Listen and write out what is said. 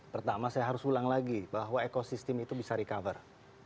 pertama saya harus ulang lagi bahwa ekosistem itu bisa recover